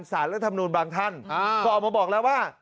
รัฐมนุนบางท่านก็ออกมาบอกแล้วว่า